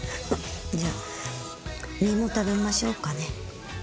じゃ身も食べましょうかね。